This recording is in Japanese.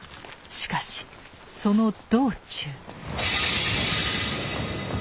しかしその道中。